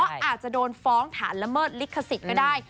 เพราะอาจจะโดนฟ้องฐานละเมิดฤกษิตไม่ได้